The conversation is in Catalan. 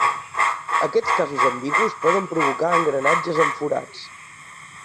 Aquests casos ambigus poden provocar engranatges amb forats.